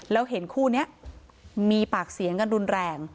แล้วเห็นคู่นี้มีปากเสียงกันรุนแรง